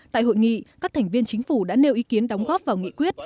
tại hội nghị các thành viên chính phủ đã nêu ý kiến đóng góp vào nghị quyết